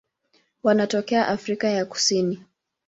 Wanatokea Afrika ya Kusini.